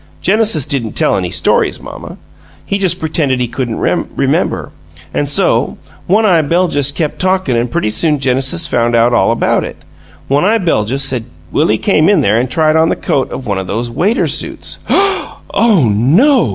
Genesis didn't tell any stories, mamma; he just pretended he couldn't remember, an' so, well, One eye Beljus kept talkin' an' pretty soon Genesis found out all about it. One eye Beljus said Willie came in there an' tried on the coat of one of those waiter suits " "Oh no!"